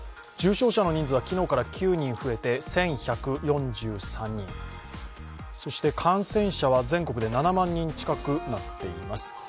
重症者の人数は昨日から９人増えて１１４３人、感染者は全国で７万人近くなっています。